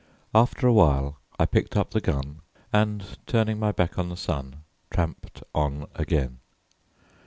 After a while, I picked up the gun, and turning my back on the sun tramped on again.